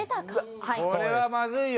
これはまずいよ。